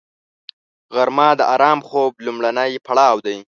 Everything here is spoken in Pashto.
غرمه د آرام خوب لومړنی پړاو دی